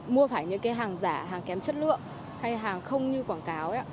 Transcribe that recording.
mua phải những cái hàng giả hàng kém chất lượng hay hàng không như quảng cáo